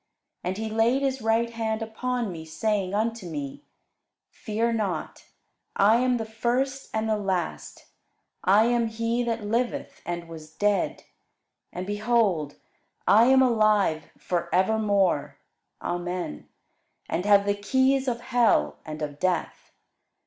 And he laid his right hand upon me, saying unto me, Fear not; I am the first and the last: I am he that liveth, and was dead; and, behold, I am alive for evermore, Amen; and have the keys of hell and of death.